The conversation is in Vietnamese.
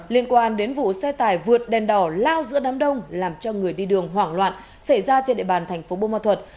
liên quan đến vụ xe tải vượt đèn đỏ lao giữa đám đông làm cho người đi đường hoảng loạn xảy ra trên địa bàn tp bông hoa thuật